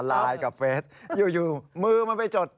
ไลน์กับเฟสอยู่มือมันไปจด